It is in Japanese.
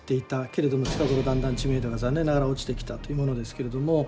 けれども近頃だんだん知名度が残念ながら落ちてきたというものですけれども。